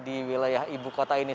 di wilayah ibu kota ini